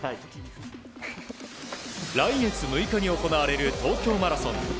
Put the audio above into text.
来月６日に行われる東京マラソン。